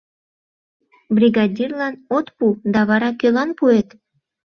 — Бригадирлан от пу да вара кӧлан пуэт!